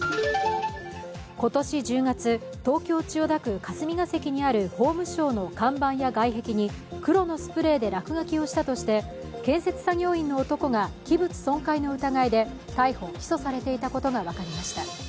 今年１０月東京・千代田区霞が関にある法務省の看板や外壁に黒のスプレーで落書きをしたとして建設作業員の男が器物損壊の疑いで逮捕・起訴されていたことが分かりました。